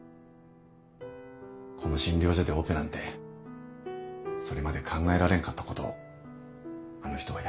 この診療所でオペなんてそれまで考えられんかったことをあの人はやってのけてくれた。